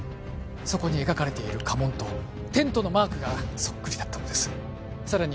そこに描かれている家紋とテントのマークがそっくりだったのですさらに